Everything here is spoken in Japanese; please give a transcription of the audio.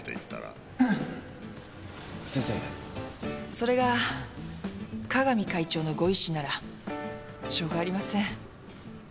それが加々美会長のご意思ならしょうがありません。